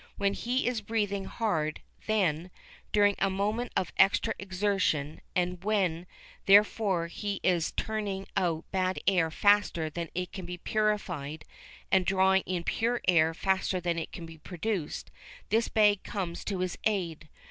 When he is breathing hard, then, during a moment of extra exertion, and when, therefore, he is turning out bad air faster than it can be purified, and drawing in pure air faster than it can be produced, this bag comes to his aid.